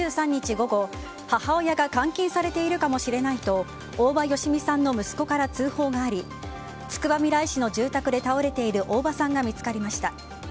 午後母親が監禁されているかもしれないと大場好美さんの息子から通報がありつくばみらい市の住宅で倒れている大場さんが見つかりました。